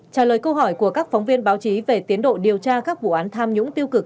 trả lời câu hỏi của các phóng viên báo chí về tiến độ điều tra các vụ án tham nhũng tiêu cực